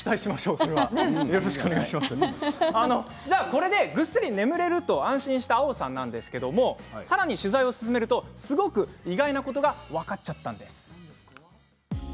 これでぐっすり眠れると安心した、あおさんなんですけれどもさらに取材を進めるとすごく意外なことが分かっちゃったんです。